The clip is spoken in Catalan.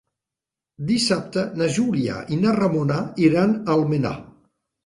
Dissabte na Júlia i na Ramona iran a Almenar.